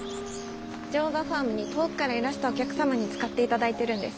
乗馬ファームに遠くからいらしたお客様に使っていただいてるんです。